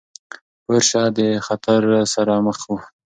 پورشه د خطر سره مخ وه.